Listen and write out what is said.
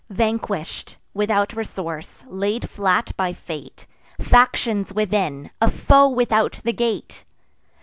Vanquish'd without resource; laid flat by fate; Factions within, a foe without the gate!